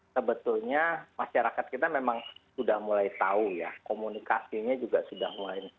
sebetulnya masyarakat kita memang sudah mulai tahu ya komunikasinya juga sudah mulai